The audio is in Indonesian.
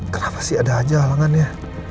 kenapa sih ada aja halangannya